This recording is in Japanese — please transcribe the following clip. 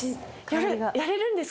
やれるんですか？